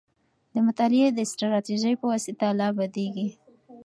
د مطالعې د استراتيژۍ په واسطه پوهه لا بدیږي.